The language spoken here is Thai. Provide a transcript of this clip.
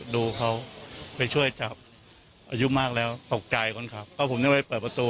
ดูเขาไปช่วยจับอายุมากแล้วตกใจคนขับก็ผมยังไปเปิดประตู